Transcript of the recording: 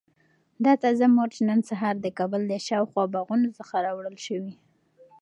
دا تازه مرچ نن سهار د کابل له شاوخوا باغونو څخه راوړل شوي.